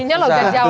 jadinya logat jawa